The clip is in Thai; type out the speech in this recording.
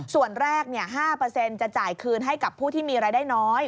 ส่วนแรก๕จะจ่ายคืนให้กับผู้ที่มีรายได้น้อย